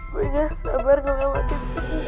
boleh sabar lewatin semua perkembangan